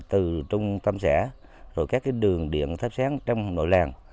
từ trung tâm xã rồi các đường điện thắp sáng trong nội làng